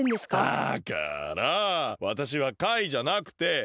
だからわたしはカイじゃなくてマイカ！